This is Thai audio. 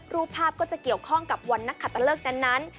รูปภาพก็จะเกี่ยวข้องกับวันนักขัตตะเลิกนั้น